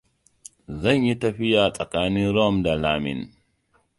Zan yi tafiya tsakanin Rome da Lamin.